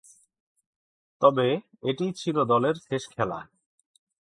তবে, এটিই ছিল দলের শেষ খেলা।